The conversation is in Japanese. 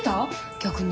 逆に？